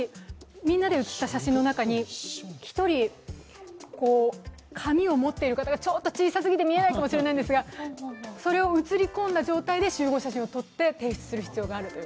みんなで写った写真の中に、１人、紙を持っている方が見えないかもしれないんですが、それを写り込んだ形で集合写真を撮って提出をすることが必要であると。